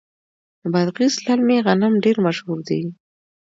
د بادغیس للمي غنم ډیر مشهور دي.